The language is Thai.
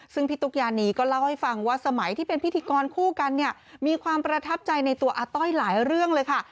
ซึ่งพี่ตุ๊กยานีก็เล่าให้ฟังว่าสมัยที่เป็นพิธีกรคู่กันเนี่ยมีความประทับใจในตัวอาต้อยหลายเรื่องเลยค่ะ